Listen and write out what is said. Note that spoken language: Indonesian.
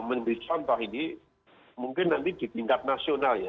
memberi contoh ini mungkin nanti di tingkat nasional ya